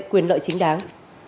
quyền lợi chính đáng